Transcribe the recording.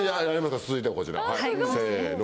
「続いてはこちら」せの。